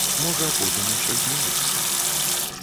Можа, потым усё зменіцца.